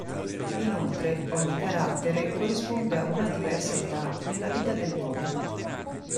Inoltre ogni carattere corrisponde a una diversa età nella vita dell'uomo.